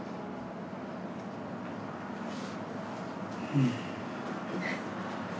うん。